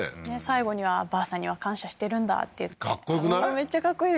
最後にはばあさんには感謝してるんだって言ってかっこよくない？